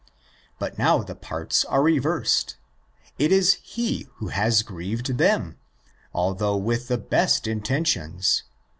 But now the parts are reversed. It is he who has grieved them, although with the best intentions.